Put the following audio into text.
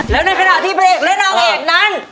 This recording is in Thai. และในขณะที่ไหนเป็นเอกและนางเอกนั้น